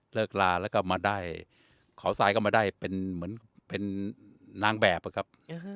ลาแล้วก็มาได้เขาทรายก็มาได้เป็นเหมือนเป็นนางแบบอะครับ